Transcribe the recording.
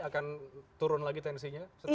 akan turun lagi tensinya setelah ini